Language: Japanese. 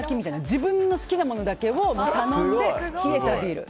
自分の好きなものだけを頼んで冷えたビール。